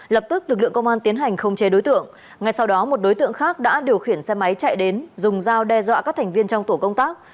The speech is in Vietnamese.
lập tức lực lượng công an tiến hành không chế đối tượng ngay sau đó một đối tượng khác đã điều khiển xe máy chạy đến dùng dao đe dọa các thành viên trong tổ công tác